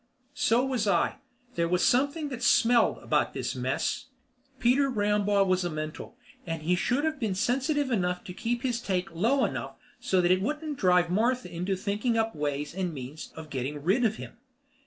So was I. There was something that smelled about this mess. Peter Rambaugh was a mental, and he should have been sensitive enough to keep his take low enough so that it wouldn't drive Martha into thinking up ways and means of getting rid of him.